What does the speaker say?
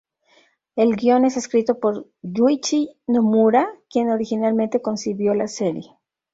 El guion es escrito por Yūichi Nomura, quien originalmente concibió la serie.